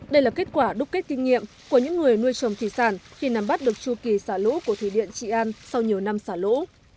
đây là kết quả đúc kết kinh nghiệm của những người nuôi trồng thủy sản khi nắm bắt được chu kỳ xả lũ của thủy điện trị an sau nhiều năm xả lũ